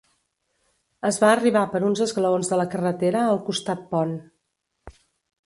Es va arribar per uns esglaons de la carretera al costat pont.